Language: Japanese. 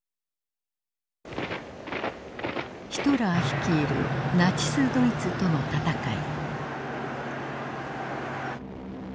ヒトラー率いるナチス・ドイツとの戦い。